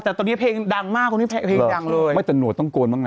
แต่ตอนนี้เพลงดังมากคนนี้เพลงดังเลยไม่แต่หวดต้องโกนบ้างไ